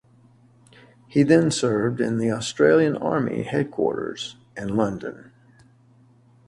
He then served in the Australian army headquarters in London.